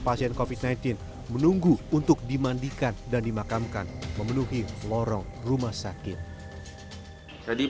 pasien covid sembilan belas menunggu untuk dimandikan dan dimakamkan memenuhi lorong rumah sakit jadi